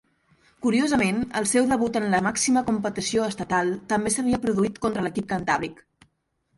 Curiosament, el seu debut en la màxima competició estatal també s'havia produït contra l'equip cantàbric.